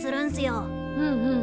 うんうん。